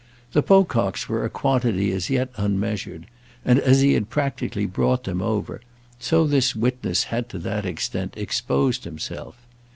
The Pococks were a quantity as yet unmeasured, and, as he had practically brought them over, so this witness had to that extent exposed himself.